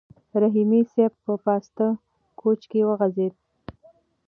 رحیمي صیب په پاسته کوچ کې وغځېد.